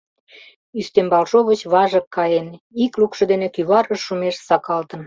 Ӱстембалшовыч важык каен, ик лукшо дене кӱварыш шумеш сакалтын.